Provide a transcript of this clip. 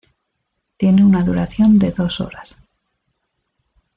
Tiene una duración de dos horas.